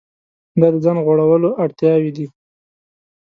دا د ځان غوړولو اړتیاوې دي.